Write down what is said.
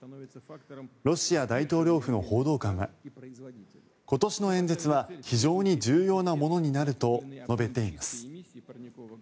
ロシア大統領府の報道官は今年の演説は非常に重要なものになると述べています。